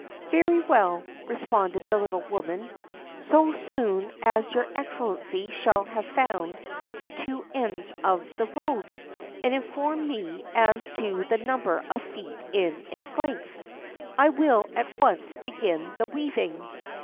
"Very well," responded the little woman; "so soon as your Excellency shall have found the two ends of the road, and informed me as to the number of feet in its length, I will at once begin the weaving."